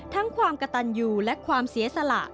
ทั้งความกระตันอยู่และความเสียสละ